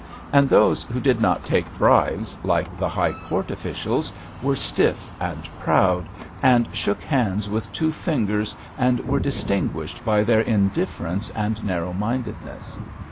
And those who did not take bribes, like the High Court officials, were stiff and proud, and shook hands with two fingers, and were distinguished by their indifference and narrow mindedness.